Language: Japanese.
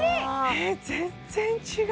え全然違う！